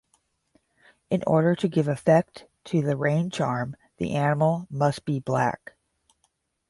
In order to give effect to the rain-charm the animal must be black.